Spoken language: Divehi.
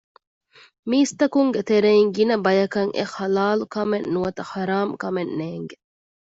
މީސްތަކުންގެ ތެރެއިން ގިނަ ބަޔަކަށް އެ ޙަލާލު ކަމެއް ނުވަތަ ޙަރާމް ކަމެއް ނޭނގެ